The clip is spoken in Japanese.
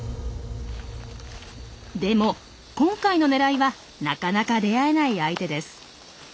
でも今回のねらいはなかなか出会えない相手です。